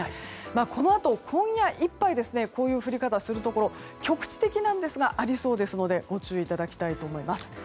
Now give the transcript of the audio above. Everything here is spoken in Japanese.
このあと、今夜いっぱいこういう降り方をするところ局地的ですがありそうですのでご注意いただきたいと思います。